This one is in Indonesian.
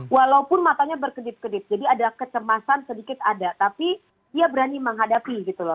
walaupun matanya berkedip kedit jadi ada kecemasan sedikit ada tapi dia berani menghadapi gitu loh